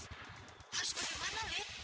harus kemana lin